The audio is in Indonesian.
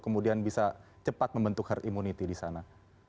kemudian bisa cepat membentuk herd immunity di sana